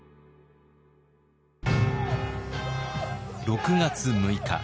６月６日。